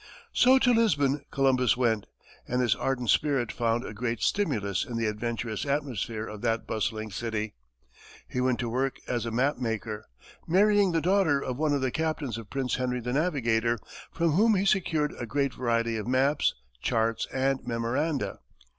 So to Lisbon Columbus went, and his ardent spirit found a great stimulus in the adventurous atmosphere of that bustling city. He went to work as a map maker, marrying the daughter of one of the captains of Prince Henry the Navigator, from whom he secured a great variety of maps, charts and memoranda.